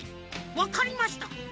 わかりました。